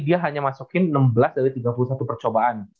dia hanya masukin enam belas dari tiga puluh satu percobaan